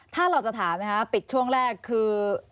ถ้าเราจะถามนะคะปิดช่วงแรกคือ